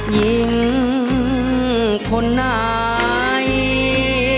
ยิงคนไอดี